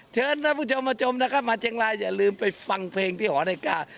เชิญท่านผู้ชมมาชมนะครับมาเชียงรายอย่าลืมไปฟังเพลงพี่หอนาฬิกา